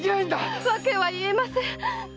〔訳は言えません〕